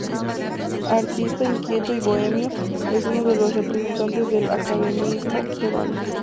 Artista inquieto y bohemio, es uno de los representantes del academicismo peruano.